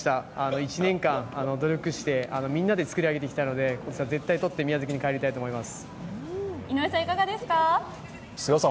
１年間努力してみんなで作り上げてきたので今年は絶対取って宮崎に帰りたいと思います。